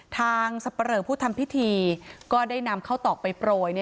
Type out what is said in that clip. ทางสประเริงผู้ทำพิธีก็ได้นำเข้าตอกไปปล่อย